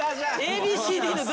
ＡＢＣＤの。